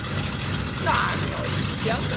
「何を言ってやんだ